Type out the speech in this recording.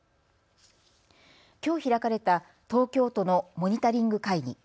きょう開かれた東京都のモニタリング会議。